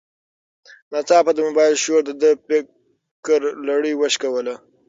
ناڅاپه د موبایل شور د ده د فکر لړۍ وشکوله.